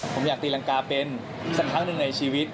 ผมอยากตีรังกาเป็นสักครั้งหนึ่งในชีวิต